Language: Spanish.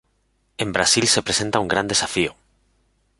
En Brasil se presenta un gran desafío.